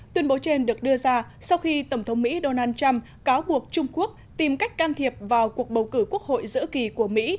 tuyên bố trên được đưa ra sau khi tổng thống mỹ donald trump cáo buộc trung quốc tìm cách can thiệp vào cuộc bầu cử quốc hội giữa kỳ của mỹ